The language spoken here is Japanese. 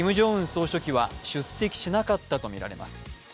総書記は出席しなかったとみられます。